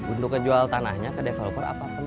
untuk kejual tanahnya ke developer apa